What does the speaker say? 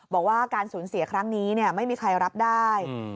บอกว่าการสูญเสียครั้งนี้ไม่มีใครรับได้